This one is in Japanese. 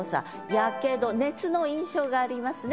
「火傷」熱の印象がありますね。